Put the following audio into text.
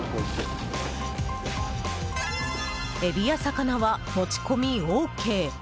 エビや魚は持ち込みＯＫ。